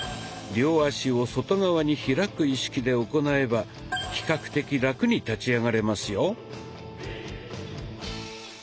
両足を外側に開く意識で行えば比較的ラクに立ち上がれますよ。